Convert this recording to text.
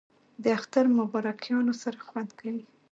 د اختر مبارکیانو سره خوند کوي